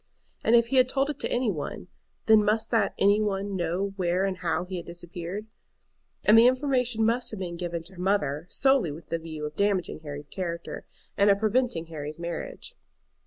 And if he had told it to any one, then must that "any one" know where and how he had disappeared. And the information must have been given to her mother solely with the view of damaging Harry's character, and of preventing Harry's marriage.